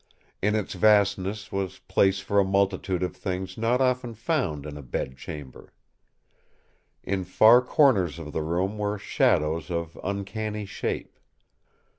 In its vastness was place for a multitude of things not often found in a bedchamber. In far corners of the room were shadows of uncanny shape.